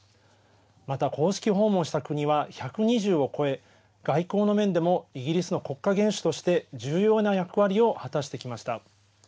また、公式訪問した国は１２０を超え外交の面でもイギリスの国家元首として重要な役割を果たしてきました。